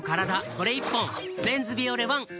これ１本「メンズビオレＯＮＥ」